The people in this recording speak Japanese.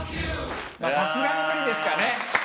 さすがに無理ですかね